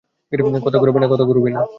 কথা ঘুরাবি না।